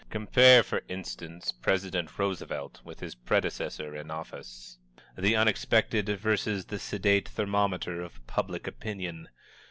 Compare, for instance, President Roosevelt with his predecessor in office the Unexpected versus the sedate Thermometer of Public Opinion.